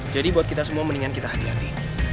jadi buat kita semua mendingan kita hati hati